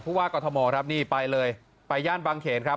ว่ากรทมครับนี่ไปเลยไปย่านบางเขนครับ